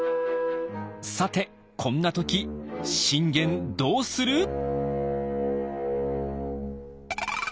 さてこんな時信玄どうする？